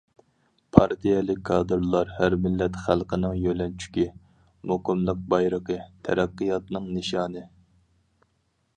پارتىيەلىك كادىرلار ھەر مىللەت خەلقنىڭ يۆلەنچۈكى، مۇقىملىق بايرىقى، تەرەققىياتنىڭ نىشانى.